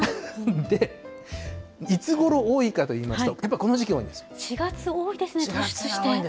で、いつごろ多いかといいますと、やっぱりこの時期が多いん４月多いですね、突出して。